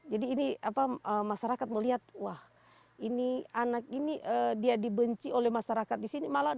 jadi ini masyarakat melihat wah ini anak ini dia dibenci oleh masyarakat di sini